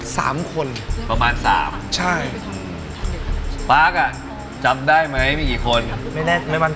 สามคนประมาณสามใช่ปั๊กอ่ะจำได้ไหมมีกี่คนไม่ได้ไม่บัน